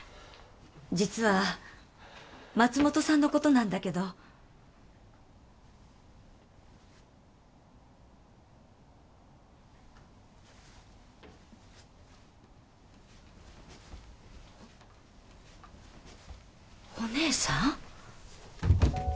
実は松本さんのことなんだけどお姉さん？